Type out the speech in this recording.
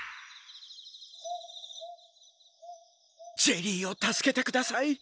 ジェリーをたすけてください。